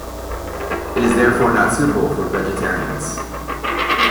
It is therefore not suitable for vegetarians.